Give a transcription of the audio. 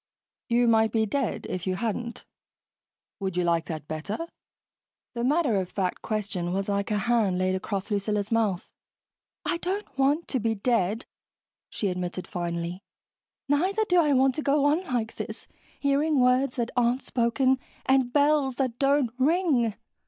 "You might be dead if you hadn't. Would you like that better?" The matter of fact question was like a hand laid across Lucilla's mouth. "I don't want to be dead," she admitted finally. "Neither do I want to go on like this, hearing words that aren't spoken and bells that don't ring.